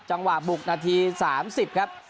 จังหวะบุกนาที๓๐ครับ